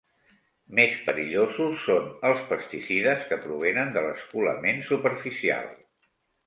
Més perillosos són els pesticides que provenen de l'escolament superficial.